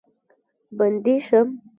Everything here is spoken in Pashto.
بندي شم.